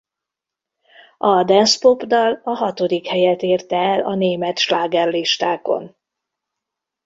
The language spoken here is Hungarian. A dance-pop dal a hatodik helyet érte el a német slágerlistákon.